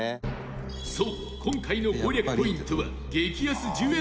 そう、今回の攻略ポイントは激安１０円